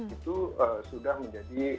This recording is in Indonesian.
itu sudah menjadi